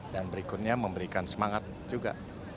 berikutnya memberikan semangat juga